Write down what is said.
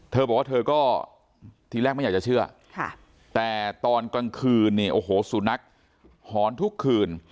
เธอบอกว่าเธอก็ทีแรกไม่อยากจะเชื่อแต่ตอนกลางคืนเนี่ยโอ้โหสุนัขหอนทุกคืน